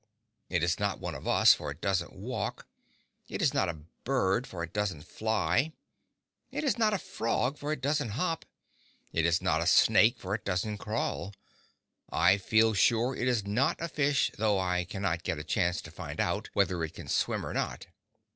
It is not one of us, for it doesn't walk; it is not a bird, for it doesn't fly; it is not a frog, for it doesn't hop; it is not a snake, for it doesn't crawl; I feel sure it is not a fish, though I cannot get a chance to find out whether it can swim or not.